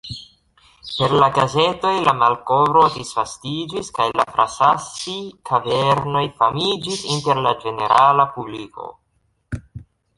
Per la gazetoj la malkovro disvastiĝis kaj la Frasassi-kavernoj famiĝis inter la ĝenerala publiko.